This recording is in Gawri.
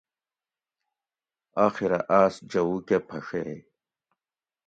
آخیرہ آس جھوؤ کہ پھڛیئے